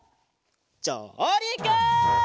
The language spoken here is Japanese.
じょうりく！